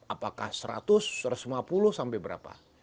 apakah seratus satu ratus lima puluh sampai berapa